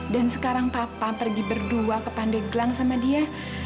dan sekarang papa pergi berdua ke pandeglang sama dia